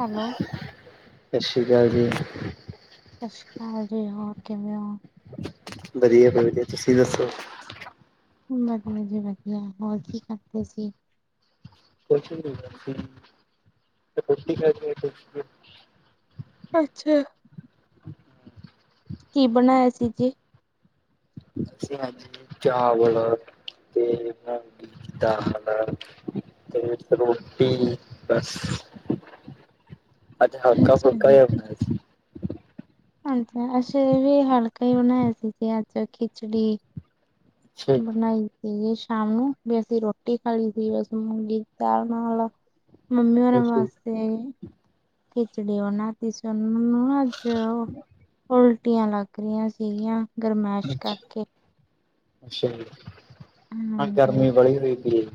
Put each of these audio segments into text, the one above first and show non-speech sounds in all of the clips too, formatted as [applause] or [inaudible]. Hello. ਸਤਿ ਸ੍ਰੀ ਅਕਾਲ ਜੀ। ਸਤਿ ਸ਼੍ਰੀ ਅਕਾਲ ਜੀ, ਹੋਰ ਕਿਵੇਂ ਹੋ? ਵਧੀਆ ਭੈਣ ਜੀ ਵਧੀਆ, ਤੁਸੀਂ ਦੱਸੋ। ਵਧੀਆ ਜੀ ਵਧੀਆ, ਹੋਰ ਕੀ ਕਰਦੇ ਸੀ? ਕੋੱ [unintelligible] ਅੱਛਾ। ਕੀ ਬਣਾਇਆ ਸੀ ਜੇ? ਸਤਿ ਸ਼੍ਰੀ ਅਕਾਲ ਜੀ ਕੀ ਹਾਲ ਤੁਹਾਡਾ? ਤੇ [unintelligible] ਦਾਲ ਦੇ ਨਾਲ ਇਕ ਰੋਟੀ ਬਸ। [inaudible] ਅੱਜ ਅੱਛਾ ਹਲਕਾ-ਫੁਲਕਾ ਹੀ ਬਣਾਇਆ ਸੀ। ਹਾਂਜੀ, ਅਸੀਂ ਵੀ ਹਲਕਾ ਹੀ ਬਣਾਇਆ ਸੀ ਤੇ ਅਜ ਖਿਚੜੀ। ਅੱਛਾ ਬਣਾਈ ਸੀਗੀ ਸ਼ਾਮ ਨੂੰ ਵੀ ਅਸੀਂ ਰੋਟੀ ਖਾ ਲਈ ਸੀ ਬਸ ਮੁੂੰਗੀ ਦਾਲ ਨਾਲ। ਮੰਮੀ ਹੋਰਾਂ ਜੀ। ਵਾਸਤੇ ਖਿਚੜੀ ਬਣਾ ਵੈਸੇ ਉਹਨਾਂ ਨੂੰ ਨਾ ਅੱਜ ਉ ਉਲਟੀਆਂ ਲੱਗ ਰਹੀਆਂ ਸੀਗੀਆਂ। ਗਰਮੈਸ਼ ਅੱਛਾ ਕਰਕੇ। ਅੱਛਾ ਜੀ, ਹਾਂ ਹਾਂਜੀ। ਗਰਮੀ ਬੜੀ ਹੋਈਦੀ ਪਈ।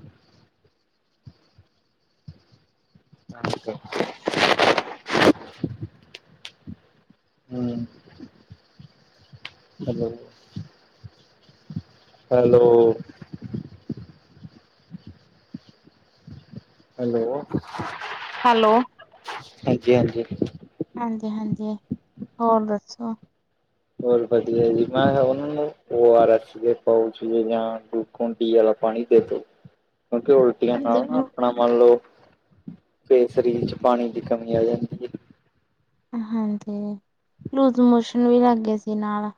ਅਛ [unintelligible] ਹੂੰ। ਹੈਲੋ। ਹੈਲੋ। ਹੈਲੋ, ਹਾਂਜੀ ਹਾਂਜੀ ਹਾਂਜੀ-ਹਾਂਜੀ ਹੋਰ ਦੱਸੋ? ਹੋਰ ਵਧੀਆ ਜੀ, ਮੈਂ ਕਿਹਾ ਉਹਨਾਂ ਨੂੰ ਉਹ ਆਰ ਏਸ ਦੇ ਪਾਊਚ ਜਾਂ ਤੁੰਡੀਆਂ ਵਾਲਾ ਪਾਣੀ ਦੇ ਦੋ, ਮੈ ਕਿਹਾ ਉਲ ਟਿਆ, ਨਾਲ ਨਾ ਹਾਂਜੀ, ਆਪਣਾ ਮੰਨ ਲਓ ਫੇਰ ਸਰੀਰ ਚ ਪਾਣੀ ਦੀ ਕਮੀ ਆ ਜਾਂਦੀ ਏ। ਹਾਂਜੀ, ਲੂਜ਼ ਮੋਸ਼ਨ ਵੀ ਲੱਗ ਗਏ ਸੀ ਨਾਲ।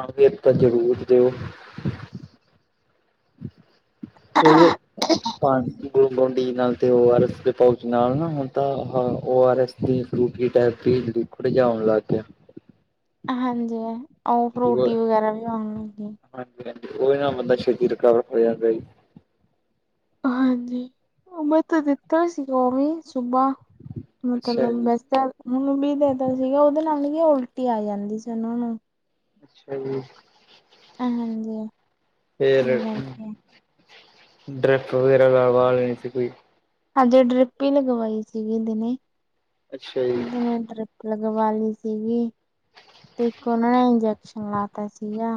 ਹਾਂ ਵੀਰ ਤਾਂ ਜ਼ਰੂਰ ਦਿਓ। ਉਹੀਓ ਪਾਣੀ ਗੋਲ ਗਡੀ ਨਾਲ ਤੇ ਓ ਆਰ ਐਸ ਦੇ ਪਾਉਚ ਨਾਲ ਨਾ ਹੁਣ ਤਾਂ O R S Frooti type ਦੀ ਲੋੜ ਜਾਉਣ ਲੱਗ ਹਾਂਜੀ। ਉਹ ਫਰੂਟੀ ਵਗੈਰਾ ਵੀ ਆਉਣ ਲਗੀ। ਹਾਂਜੀ-ਹਾਂਜੀ, ਉਹਹੀ ਨਾਲ ਬੰਦਾ ਛੇਤੀ ਰਿਕਵਰ ਹੋ ਜਾਂਦਾ ਜੀ। ਹਾਂਜੀ, ਉ ਮੈਂ ਤਾ ਦਿੱਤਾ ਹੀ ਸੀਗਾ ਉ ਵੀ। ਸੁਬਾਹ ਅੱਛਾ ਮਤਲਬ ਜੀ ਬਸ ਹੁਣ ਵੀ ਦੇਤਾ ਸੀਗਾ ਉਹਦੇ ਨਾਲ ਹੀ ਉਲਟੀ ਆ ਜਾਂਦੀ ਸੀ ਉਹ ਨੂੰ। ਅੱਛਾ ਜੀ। ਏਂਝ ਹੁੰਦੇ ਆ ਫੇਰ ਡਰੀਪ ਵਗੈਰਾ ਲਵਾ ਲੇਣੀ ਸੀ ਕੋਈ। ਹਜੇ ਡਰੀਪ ਈ ਲਗਵਾਈ ਸੀਗੀ ਦਿਨੇ, ਅੱਛਾ ਜੀ ਦਿਨੇ ਡਰੀਪ। ਲਗਵਾ ਲਈ ਸੀਗੀ, ਤੇ ਇੱਕ ਓਨਾ ਨੇ ਇੰਜੈਕਸ਼ਨ ਲਾਤਾ ਸੀਗਾ।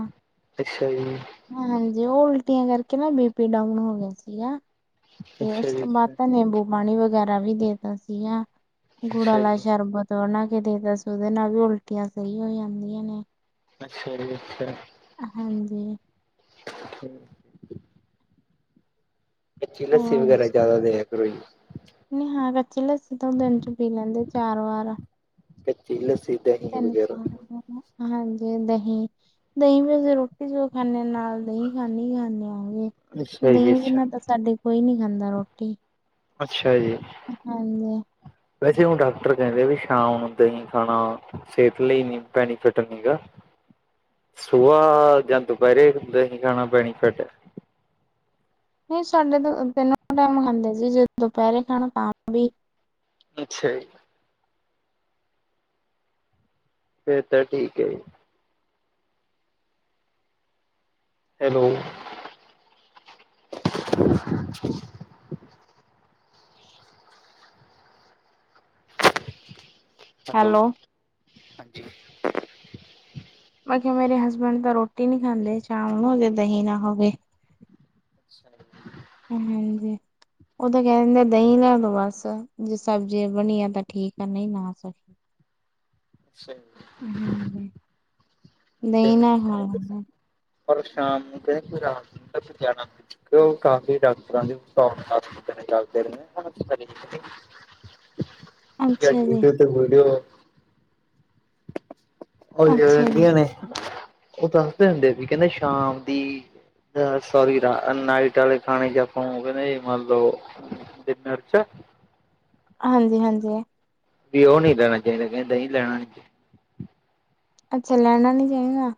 ਅੱਛਾ ਜੀ। ਹਾਂਜੀ ਓ ਉਲਟੀਆਂ ਕਰਕੇ ਨਾ ਬੀ ਪੀ ਡਾਊਨ ਹੋ ਗੇਆ ਸੀਗਾ। ਤੇ ਅੱਛਾ ਉਸ ਜੀ ਤੋਂ ਬਾਅਦ ਅੱਛਾ ਤਾਂ ਨਿੰਬੂ ਪਾਣੀ ਵਗੈਰਾ ਵੀ ਦੇਤਾ ਸੀਗਾ। ਗੁੜਾਂ ਅੱਛਾ ਆਲਾ ਜੀ ਸ਼ਰਬਤ ਹਨਾ ਕਿਤੇ ਪੀਲੋ ਏਦੇ ਨਾਲ ਵੀ ਉਲਟੀਆਂ ਸਈ ਹੋ ਜਾਂਦੀਆਂ ਨੇ ਅੱਛਾ ਜੀ ਅੱਛਾ। ਹਾਂਜੀ। ਹਮ ਕੱਚੀ ਲੱਸੀ ਵਗੈਰਾ ਜ਼ਾਦਾ ਦੇਆ ਕਰੋ। ਨਈ ਹਾਂ ਕੱਚੀ ਲੱਸੀ ਤਾ ਦਿਨ ਚ ਪੀ ਲੈਂਦੇ ਚਾਰ ਵਾਰ। ਕੱਚੀ ਲੱਸੀ ਦਹੀਂ ਤਿੰਨ ਵਗੈਰਾ ਚਾਰ ਵਾਰ ਨਾ ਹਾਂਜੀ ਦਹੀਂ, ਦਹੀਂ ਵੀ ਅਸੀਂ ਰੋਟੀ ਜੋ ਖਾਨਦੇ ਨਾਲ। ਦਹੀਂ ਖਾਂਦੇ- ਖਾਂਦੇ ਆ ਜੀ, ਅੱਛਾ ਜੀ ਦਹੀਂ ਅੱਛਾ ਬਿਨਾਂ ਤਾਂ ਸਾਡੇ ਕੋਈ ਨੀ ਖਾਂਦਾ ਰੋਟੀ। ਅੱਛਾ ਜੀ। ਹਾਂਜੀ ਵੈਸੇ ਹੁਣ ਡਾਕਟਰ ਕੇਂਦੇ ਆ ਵੀ ਸ਼ਾਮ ਨੂੰ ਦਹੀਂ ਖਾਣਾ ਸੇਤ ਲਈ ਨੀ ਬੈਨੀਫਿਟ ਹੈਗਾ। ਸੁਭਾ ਜਾਂ ਦੁਪੈਰੇ ਦਹੀ ਖਾਣਾ ਬੈਨੀਫਿਟ ਆ। ਨਈ ਸਾਡੇ ਤਾ ਪੇਲਾ ਤਿੰਨੋ ਟਾਈਮ ਖਾਂਦੇ ਸੀਗੇ, ਦੁਪੈਰੇ ਖਾਣਾ ਤਾਂ ਵੀ। ਅੱਛਾ ਜੀ। ਫੇਰ ਤਾਂ ਠੀਕ ਹੈ। ਹੈਲੋ ਹੈਲੋ, ਹਾਂਜੀ। ਮੈਂ ਕੇਹਾ ਮੇਰੇ ਹਸਬੈਂਡ ਤਾਂ ਰੋਟੀ ਨਈ ਖਾਂਦੇ, ਚਾਵਲ ਨਾ ਹੋਵੇ ਦਹੀਂ ਨਾ ਹੋਵੇ। ਅੱਛਾ ਜੀ। ਹਾਂਜੀ। ਉਹ ਤਾਂ ਕੈ ਦਿੰਦੇ ਦਹੀਂ ਲਿਆ ਦੋ ਬਸ, ਜੇ ਸਬਜ਼ੀ ਬਣੀ ਆ ਤਾਂ ਠੀਕ ਆ, ਨਹੀਂ ਨਾ ਸਈ। ਸਹੀ ਹਾਂਜੀ। ਦਈ ਦਹੀਂ ਨਾਲ ਖਾ ਲੇਂਦੇ। ਪਰ ਸ਼ਾਮ ਨੂੰ ਕਏ, ਫਿਰ ਰਾਤ ਨੂੰ ਕਏ, ਫਿਰ ਜਾਣਾ ਨਈ। ਤੇ ਉਹ ਕਾਫੀ ਡਾਕਟਰਾਂ ਦੀ ਜਾਦੇ ਅੱਛਾ ਜੀ ਕੰਪਿਊਟਰ ਤੇ ਬੋਲਓ ਹਲੀਂ ਅੱਛਾ ਜੀ ਰੇਦੀਆਂ ਨੇ ਉਹ ਦੱਸਦੇ ਹੁੰਦੇ ਵੀ ਕੇਂਦੇ ਸ਼ਾਮ ਦੀ ਸੋਰੀ ਰਾ ਨਾਈਟ ਵਾਲੇ ਖਾਣੇ ਜਾ ਆਪਾਂ ਹੋਗੇ ਨਹੀਂ, ਮਤਲਬ ਡਿਨਰ ਚ ਹਾਂਜੀ -ਹਾਂਜੀ। ਵੀ ਉਹ ਨਹੀਂ ਲੈਣਾ ਚਾਹੀਦਾ ਕਹਿੰਦਾ ਜੀ ਨਹੀਂ ਲੈਣਾ ਨੀ ਅੱਛਾ ਲੈਣਾ ਨਹੀਂ ਚਹੀ ਨਾ।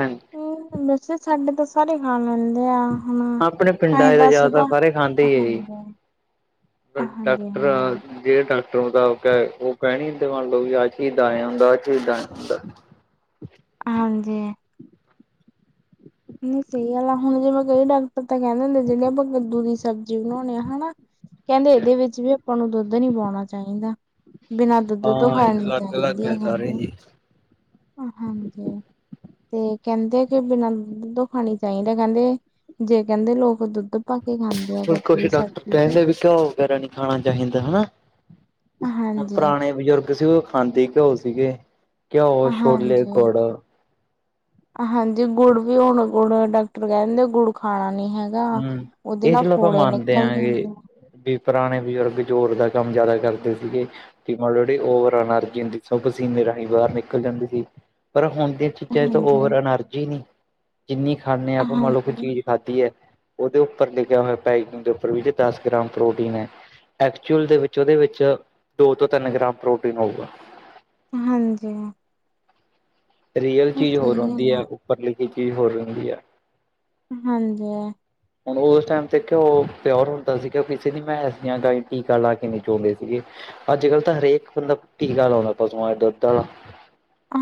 ਹਮ। ਹਮ, ਵੈਸੇ ਸਾਢੇ ਦਸ ਸਾਰੇ ਖਾ ਲੈਂਦੇ ਆ ਹਾਂ ਆਪਣੇ ਪਿੰਡਾਂ ਤਾਂਹੀ ਦਾ ਤਾਂ ਜ਼ਿਆਦਾਤਰ ਸੁਬਾਹ ਸਾਰੇ ਖਾਂਦੇ ਹੀ ਹੈ ਜੀ [inaudible] ਹਾਂਜੀ ਡਾਕਟਰ ਹਾਂਜੀ ਜਿਹੜੇ ਡਾਕਟਰ ਮੁਤਾਬਿਕ ਹੈ ਉਹ ਕਹਿਣੀ ਮੰਨ ਲਓ ਵੀ ਆਹ ਚ ਇਦਾਂ ਐ ਹੁੰਦਾ ਆਹ ਚ ਇਦਾਂ ਐ ਹੁੰਦਾ ਹਾਂਜੀ ਨਹੀਂ ਸਹੀ ਗੱਲ ਆ ਹੁਣ ਜਿਵੇਂ ਕਈ ਡਾਕਟਰ ਤਾਂ ਕਹਿੰਦੇ ਜਿਹੜੇ ਆਪਾਂ ਕੱਦੂ ਦੀ ਸਬਜ਼ੀ ਬਣਾਉਣੇ ਆ ਹਨਾ ਕਹਿੰਦੇ ਹਾਂਜੀ ਇਹਦੇ ਵਿੱਚ ਵੀ ਆਪਾਂ ਨੂੰ ਦੁੱਧ ਨਹੀਂ ਪਾਉਣਾ ਚਾਹੀਦਾ ਬਿਨਾਂ ਦੁੱਧ ਤੋਂ ਹਾਂ ਖਾਣੀ ਅਲੱਗ ਅਲੱਗ ਚਾਹੀਦੀ ਆ ਹੈ ਸਾਰੇ ਕਦੇ ਜੀ ਹਾਂਜੀ ਤੇ ਕਹਿੰਦੇ ਆ ਕਿ ਬਿਨਾਂ ਦੁੱਧੋ ਖਾਣੀ ਚਾਹੀਦਾ ਕਹਿੰਦੇ ਜੇ ਕਹਿੰਦੇ ਲੋਕ ਦੁੱਧ ਪਾ ਕੇ ਖਾਂਦੇ ਆ ਹੁਣ ਕਦੇ ਕੁਛ ਵੀ ਡਾਕਟਰ ਸਬਜ਼ੀ ਚ ਕਹਿੰਦੇ ਵੀ ਕਿਉ ਹੋ ਗੈਰਾ ਨੀ ਖਾਣਾ ਚਾਹੀਦਾ ਹੈ ਨਾ ਹੁਣ ਹਾਂਜੀ ਪੁਰਾਣੇ ਬਜ਼ੁਰਗ ਸੀ ਉਹ ਖਾਂਦੇ ਘਿਓ ਸੀਗੇ ਘਿਓ ਛੋਲੇ ਹਾਂਜੀ ਗੁੜ ਹਾਂਜੀ ਗੁੜ ਵੀ ਹੁਣ ਗੁੜ ਡਾਕਟਰ ਕਹਿ ਦਿੰਦੇ ਗੁੜ ਖਾਣਾ ਨੀ ਹੈਗਾ ਹਮ ਉਹਦੇ ਇਹ ਨਾਲ ਚਲੋ ਆਪਾਂ ਫੋੜੇ ਮੰਨਦੇ ਨਿਕਲ ਆਂਗੇ ਜਾਂਦੇ ਆ ਵੀ ਪੁਰਾਣੇ ਬਜ਼ੁਰਗ ਜ਼ੋਰ ਦਾ ਕੰਮ ਜ਼ਿਆਦਾ ਕਰਦੇ ਸੀਗੇ ਕਿ ਮਤਲਬ ਜਿਹੜੀ ਓਵਰ ਐਨਰਜੀ ਹੁੰਦੀ ਸੀ ਉਹ ਪਸੀਨੇ ਰਾਹੀਂ ਬਾਹਰ ਨਿਕਲ ਜਾਂਦੀ ਸੀ ਪਰ ਹੁਣ ਦੀ ਆ ਚੀਜ਼ਾਂ ਚ ਤਾਂ ਓਵਰ ਹਾਂਜੀ ਐਨਰਜੀ ਨੀ ਜਿੰਨੀ ਖਾਂਦੇ ਆਪਾਂ ਮੰਨ ਲਓ ਕੋ ਹਾਂਜੀ ਚੀਜ਼ ਖਾਧੀ ਐ ਉਹਦੇ ਉੱਪਰ ਲਿਖਿਆ ਹੋਇਆ ਪੈਕਿੰਗ ਦੇ ਉੱਪਰ ਵੀ ਦਸ ਗ੍ਰਾਮ ਪ੍ਰੋਟੀਨ ਹੈ ਐਕਚੁਅਲ ਦੇ ਵਿੱਚ ਉਹਦੇ ਵਿੱਚ ਦੋ ਤੋਂ ਤਿੰਨ ਗ੍ਰਾਮ ਪ੍ਰੋਟੀਨ ਹੋਊਗਾ ਹਾਂਜੀ ਰੀਅਲ ਇਹ ਚੀਜ਼ ਹੋਰ ਸਹੀ ਹੁੰਦੀ ਗੱਲ ਆ ਉੱਪਰ ਲਿਖੀ ਚੀਜ਼ ਹੋਰ ਹੁੰਦੀ ਆ ਹਾਂਜੀ ਹੁਣ ਉਸ ਟਾਈਮ ਤੇ ਘਿਓ ਪਿਓਰ ਹੁੰਦਾ ਸੀ ਕਿ ਉਹ ਕਿਸੇ ਦੀ ਮੈਂ ਮੈਸੀਆਂ ਗਾਈਆ ਟੀਕਾ ਲਾ ਕੇ ਨਹੀਂ ਚੋਦੇ ਸੀਗੇ ਅੱਜ ਕੱਲ੍ਹ ਤਾਂ ਹਰੇਕ ਬੰਦਾ ਟੀਕਾ ਲਾਉਂਦਾ ਪਸੂਆਂ ਨੂੰ ਦੁੱਧ ਵਾਲਾ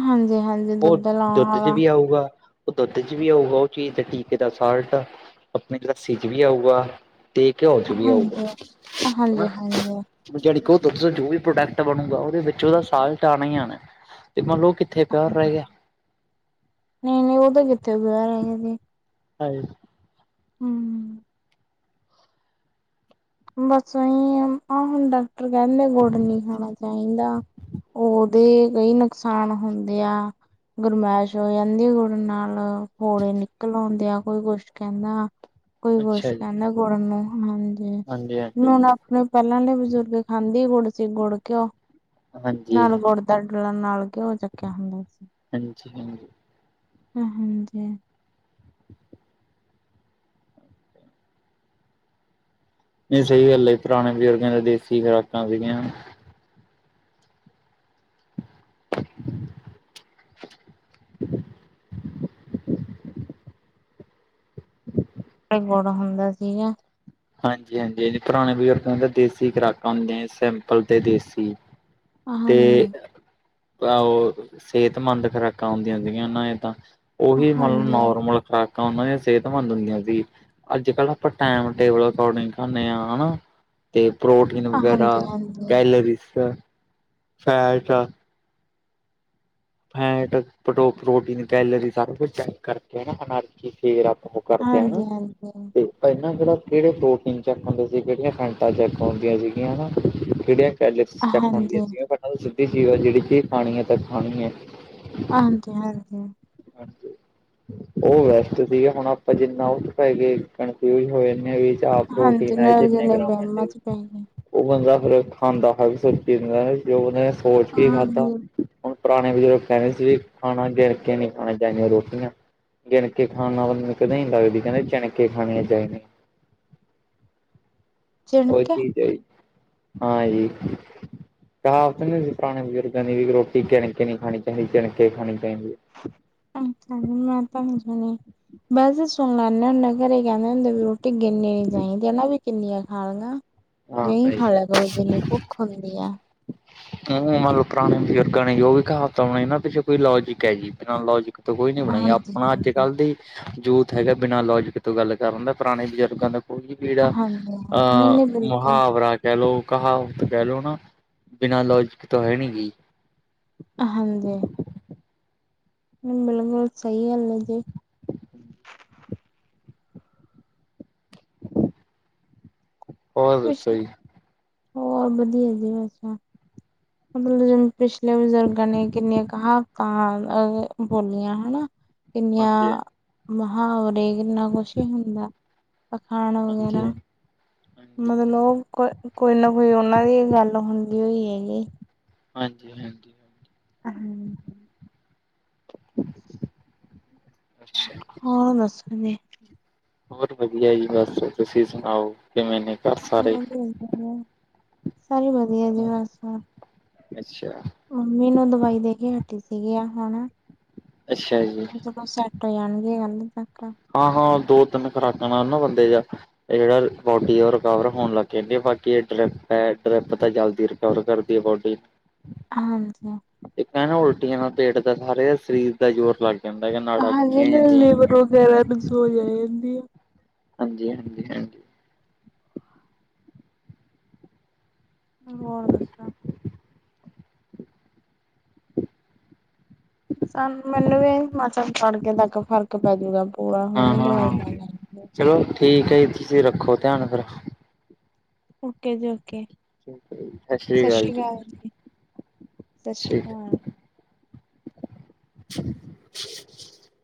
ਹਾਂਜੀ ਹਾਂਜੀ ਉਹ ਦੁੱਧ ਲਾਉਣ ਦੁੱਧ ਚ ਵਾਲਾ ਵੀ ਆਊਗਾ ਉਹ ਦੁੱਧ ਚ ਵੀ ਆਊਗਾ ਉਹ ਚੀਜ਼ ਦਾ ਟੀਕੇ ਦਾ ਸਾਲਟ ਆਪਣੇ ਲੱਸੀ ਚ ਵੀ ਆਊਗਾ ਤੇ ਘਿਓ ਚ ਵੀ ਆਊਗਾ ਹਾਂਜੀ, ਹਾਂਜੀ-ਹਾਂਜੀ, ਕਿ ਜਿਹੜਾ ਦੁੱਧ ਦਾ ਜੋ ਵੀ ਪ੍ਰੋਡਕਟ ਬਣੂਗਾ ਉਹਦੇ ਵਿੱਚ ਉਹਦਾ ਸਾਲਟ ਆਉਣਾ ਹੀ ਆਣਾ ਤੇ ਮੰਨ ਲੋ ਕਿੱਥੇ ਪਿਓਰ ਰਹਿ ਗਿਆ ਨਈ ਨਈ ਉਹ ਤਾਂ ਕਿੱਥੇ ਪਿਓਰ ਰਹਿ ਜਾਂਦਾ ਹਾਂਜੀ ਹੂੰ ਬਸ ਅਹੀ ਆਹ ਹੁਣ ਡਾਕਟਰ ਕਹਿੰਦੇ ਗੁੜ ਨਹੀਂ ਖਾਣਾ ਚਾਹੀਦਾ ਉਹ ਦੇ ਕਈ ਨੁਕਸਾਨ ਹੁੰਦੇ ਆ ਗਰਮੈਸ਼ ਹੋ ਜਾਂਦੀ ਗੁੜ ਨਾਲ ਫੋੜੇ ਨਿਕਲ ਆਉਂਦੇ ਆ ਕੋਈ ਕੁਛ ਕਹਿੰਦਾ ਕੋਈ ਕੁਛ ਅੱਛਾ ਜੀ ਕਹਿੰਦਾ ਗੁੜ ਨੂੰ ਹਾਂਜੀ ਹਾਂਜੀ ਹਾਂਜੀ। ਹੁਣ ਆਪਣੇ ਪਹਿਲਾਂ ਦੇ ਬਜ਼ੁਰਗ ਖਾਂਦੀ ਗੁੜ ਸੀ ਗੁੜ ਘਿਓ ਹਾਂਜੀ ਹਾਂਜੀ ਨਾਲ ਗੁੜ ਦੰਡਲਾਂ ਨਾਲ ਘਿਓ ਚੱਕਿਆ ਹੁੰਦਾ ਸੀ ਹਾਂਜੀ ਹ ਹਾਂਜੀ ਨਈ ਸਹੀ ਗੱਲ ਪੁਰਾਣੇ ਬਜ਼ੁਰਗਾਂ ਦੇ ਦੇਸੀ ਖੁਰਾਕਾਂ ਸੀਗੀਆਂ ਗੁੜ ਹੁੰਦਾ ਸੀਗਾ ਹਾਂਜੀ ਹਾਂਜੀ ਹਾਂਜੀ ਪੁਰਾਣੇ ਬਜ਼ੁਰਗਾਂ ਦੇ ਦੇਸੀ ਖੁਰਾਕਾਂ ਹੁੰਦੀਆ ਸੀ ਸਿੰਪਲ ਤੇ ਦੇਸੀ ਤੇ‌ ਹਾਂਜੀ। ਆਹੋ ਸੇਤਮੰਦ ਖੁਰਾਕਾਂ ਹੁੰਦੀਆਂ ਹੁੰਦੀਗੀਆਂ ਨੇ ਏ ਤਾਂ। ਉਹੀ ਮਤਲਬ ਹਾਂਜੀ, ਨੋਰਮਲ ਖੁਰਾਕਾਂ ਉਨਾਂ ਦੀਆਂ ਸੇਤਮੰਦ ਹੁੰਦੀਆਂ ਸੀ, ਅੱਜ ਕੱਲ੍ਹ ਆਪਾਂ ਟੈਮ ਟੇਬਲ ਅਕੋਡਿੰਗ ਖਾਂਦੇ ਹਾਂ ਹਨਾ, ਤੇ ਪ੍ਰੋਟੀਨ ਹਾਂਜੀ, ਵਗੈਰਾ ਹਾਂਜੀ, ਕੈਲਰੀਸ ਫੈਟ ਆ ਫੈਟ ਪ੍ਰੋ ਪ੍ਰੋਟੀਨ, ਕੈਲਰੀ ਸਾਰਾ ਕੁਛ ਚੈਕ ਕਰਕੇ ਹਨਾ ਫੇਰ ਆਪਾ ਓ ਕਰਦੇ ਆ ਨਾ, ਹਾਂਜੀ, ਹਾਂਜੀ। ਤੇ ਪੈਲਾ ਜੇੜਾ ਕੇੜੇ ਪ੍ਰੋਟੀਨ ਚੈਕ ਹੁੰਦੇ ਸੀ ਕੇੜੀਆਂ ਖੈਂਟਾਂ ਚੈੱਕ ਹੁੰਦੀਆਂ ਸੀਗੀਆਂ ਹਨਾ ਕੇੜੀਆਂ ਪੈਲੇ ਚੈਕ ਹੁੰਦੀਆ ਹਾਂਜੀ, ਸੀ ੳ ਤਾ ਗਲ ਸਿੱਧੀ ਸੀ ੳ ਜੇੜੀ ਚੀਜ਼ ਖਾਣੀ ਏ ਤਾਂ ਖਾਣੀ ਹੈ। ਹਾਂਜੀ-ਹਾਂਜੀ। ਹਾਂਜੀ। ਓ ਵੈਸਟ ਸੀਗਾ ਹੁਨ ਆਪਾਂ ਜਿੰਨਾ ਕਨਫਿਊਜ ਹੋ ਜਾਨੇ ਆਂ ਜੀ। ਚਾਪ ਹਾਂਜੀ ਪ੍ਰੋਟੀਨ ਐ ਨਾਲ ਜਿਨੇ ਜਨੇ ਗ੍ਰਾਮ ਅੰਡੇ ਵਹਿਮਾਂ ਚ ਪੈ ਗਏ। ਓ ਬੰਦਾ ਫੇਰ ਖਾਂਦਾ ਏ [unintelligible] ਵੀ ਉਨੇ ਸੋਚ ਕੇ ਖਾਦਾ ਹਾਂਜੀ, ਹੁਨ ਪੁਰਾਨੇ ਬਜ਼ੁਰਗ ਕੈਂਦੇ ਸੀ ਵੀ ਖਾਨਾ ਗਿਨ ਕੇ ਨੀ ਖਾਨਾ, ਜੈਵੇਂ ਰੋਟੀਆਂ ਗਿਨ ਕੇ ਖਾਨ ਨਾਲ ਬੰਦੇ ਨੂੰ ਕਦੀ ਨੀ ਲੱਗਦੀ ਕੈਂਦੇ ਜਿਣਕੇ ਖਾਣਿਆਂ ਚਾਇਦਿਆ [inaudible] ਓ ਠੀਕ ਹੈ ਜੀ, ਹਾਂ ਜੀ ਕਹਾਵਤ ਨੀ ਪੁਰਾਨੇ ਬਜ਼ੁਰਗਾਂ ਦੀ ਵੀ ਰੋਟੀ ਗਿਣ ਕੇ ਨਈ ਖਾਣੀ ਚਾਹੀਦੀ ਕਿਣ ਕੇ ਖਾਣੀ ਚਾਹੀਦੀ ਏ। ਅੱਛਾ ਜੀ, ਮੈਂ ਤਾਂ ਨਈ ਸੁਨੀ, ਵੈਸੇ ਸੁਨ ਲੈਨੇ ਨ ਨ ਘਰੇ ਕੈਂਦੇ ਹੁੰਦੇ ਵੀ ਰੋਟੀ ਗਿੰਨੀ ਨੀ ਚਾਇਦੀ ਹੇਨਾ ਵੀ ਕਿੰਨੀਆਂ ਖਾਨ ਲਗਾਂ। ਹੈ। ਹਾਂ ਨਈ ਭਾਈ। ਖਾਲਿਆ ਕਰੋ ਜਿਨੀ ਭੁੱਖ ਹੁੰਦੀ ਐ ਓ ਮਤਲਬ ਪਰਾਨੇ ਬਜ਼ੁਰਗਾਂ ਨੇ ਜੋ ਵੀ ਕਹਾਵਤਾਂ ਬਨਾਇਆ ਇਨਾਂ ਪਿੱਛੇ ਕੋਈ ਲੋਜਿਕ ਹੈ ਜੀ ਬੀਨਾ ਲੋਜਿਕ ਤੋ ਕੋਈ ਨੀ ਬਨਾਈਆਂ ਹਾਂਜੀ, ਆਪਣਾ ਅੱਜ ਹਾਂਜੀ, ਕੱਲ੍ਹ ਦੀ ਜੁਥ ਹੈਗਾ ਬਿਨਾਂ ਲੋਜਿਕ ਤੋਂ ਗੱਲ ਕਰਨ ਦਾ ਪੁਰਾਣੇ ਬਜ਼ੁਰਗਾਂ ਦਾ ਕੋਈ ਜੇੜਾ, ਹਾਂਜੀ ਨਹੀਂ, ਅਂ ਨਹੀਂ ਬਿਲਕੁਲ ਮੁਹਾਵਰਾ ਕੈ ਲੋ, ਕਹਾਵਤ ਕੈ ਲੋੋ ਨਾ ਬਿਨਾਂ ਲੋਜਿਕ ਤੋ ਹੈ ਨੀ ਗੀ ਹਾਂਜੀ। ਬਿਲਕੁਲ ਸਈ ਗਲ ਐ ਜੀ। ਹੋਰ ਕੁਸ਼ ਦੱਸੋ ਨੀ, ਜੀ। ਹੋਰ ਵਧੀਆ ਜੀ ਅੱਛਾ ਅੱਛਾ ਮਤਲਬ ਪਿਛਲੇ ਬਜ਼ੁਰਗਾਂ ਨੇ ਕਿੰਨੀਆਂ ਕਹਾਵਤਾਂ ਅ-ਅ ਬੋਲੀਆਂ ਹਨਾ। ਹਾਂਜੀ ਕਿੰਨੀਆਂ, ਮੁਹਾਵਰੇ ਕਿੰਨਾ ਕੁਛ ਈ ਹੁੰਦੈ, ਆਖਾਣ ਹਾਂਜੀ ਹਾਂਜੀ ਵਗੈਰਾ ਹਾਂਜੀ ਮਤਲਬ ਲੋਗ ਕੋ ਕੋਈ ਨਾ ਕੋਈ ਓਨਾ ਦੀ ਗੱਲ ਹੁੰਦੀ ਹੋਈ ਹੈਗੀ। ਹਾਂਜੀ-ਹਾਂਜੀ। ਅ ਹੂੰ। ਅੱਛਾ। ਹੋਰ ਦਸੋ ਜੀ। ਬੋਹਤ ਵਧੀਆ ਜੀ ਬਸ ਤੁਸੀਂ ਸੁਣਾਓ ਕਿਵੇਂ ਘਰ ਹਾਂਜੀ ਸਾਰੇ? ਵਧੀਆ ਜੀ ਵਧੀਆ, ਸਾਰੇ ਵਧੀਆ ਜੀ ਬਸ। ਅੱਛਾ। ਮੰਮੀ ਨੂੰ ਦਵਾਈ ਦੇ ਕੇ ਹਟੀ ਸੀਗੀ ਆ ਹਣਾ- ਅੱਛਾ ਜੀ। ਫੇਰ ਓ ਸੈਟ ਹੋ ਜਾਣਗੇ ਕੱਲ ਤੱਕ ਹਾਂ-ਹਾਂ ਦੋ ਤਿੰਨ ਖੁਰਾਕਾਂ ਨਾਲ ਨਾ ਬੰਦੇ ਜਾ ਏ ਜੇੜਾ ਬੋਡੀ ਰਿਕਵਰ ਹੋਣ ਲੱਗ ਜਾਂਦੀ, ਬਾਕੀ ਐ ਡਰਿਪ ਹੈ, ਡਰਿੱਪ ਤਾਂ ਜਾਲਦੀ ਕਵਰ ਕਰਦੀ ਏ ਬੋਡੀ ਹਾਂਜੀ। ਏਕ ਤਾ ਨਾ ਉਲਟੀਆਂ ਨਾਲ਼ ਪੇਟ ਦਾ ਸਾਰੇ ਸਰੀਰ ਦਾ ਜ਼ੋਰ ਲੱਗ ਜਾਂਦਾ ਯਾ ਨਾੜਾਂ [unintelligible] ਫੇਰ ਐ ਤਿਸੋ ਵਾਲੀ ਆ ਜਾਂਦੀ ਐ। ਹਾਂਜੀ-ਹਾਂਜੀ-ਹਾਂਜੀ। ਹੋਰ ਦਸੋ ਸਾਨੂੰ ਮੈਨੂੰ ਵੀ ਐਂਈ ਮਤਲਬ ਤੜਕੇ ਤੱਕ ਫ਼ਰਕ ਪੈਜੂਗਾ ਪੂਰਾ ਹੁਣ ਦਵਾਈ ਹਾਂ-ਹਾਂ ਲੈ [inaudible] ਚਲੋ ਠੀਕ ਐ ਜੀ ਤੁਸੀਂ ਰੱਖੋ ਧਿਆਨ ਫੇਰ ਓਕੇ ਜੀ ਓਕੇ। ਠੀਕ ਹੈ ਜੀ, ਸਤਿ ਸਸ ਅਕਾਲ ਸ੍ਰੀ ਕਾਲ ਜੀ, ਸਸ ਸ੍ਰੀ ਠੀਕ ਹੈ। ਕਾਲ। [inaudible]